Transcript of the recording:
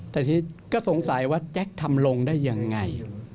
แต่ก็สงสัยว่าแจ๊กทำลงได้อย่างไร